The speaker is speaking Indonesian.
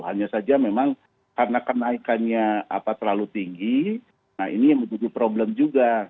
hanya saja memang karena kenaikannya terlalu tinggi nah ini yang menjadi problem juga